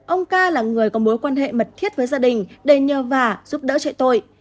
ông ca là người có mối quan hệ mật thiết với gia đình để nhờ vả giúp đỡ chạy tội